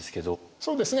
そうですね。